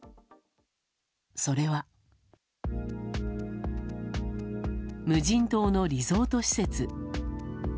それは、無人島のリゾート施設。